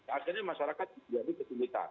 akhirnya masyarakat jadi kesulitan